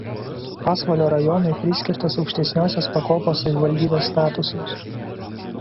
Pasvalio rajonui priskirtas aukštesniosios pakopos savivaldybės statusas.